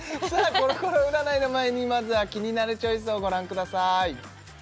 コロコロ占いの前にまずはキニナルチョイスをご覧ください